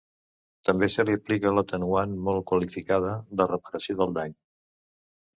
També se li aplica l’atenuant molt qualificada de reparació del dany.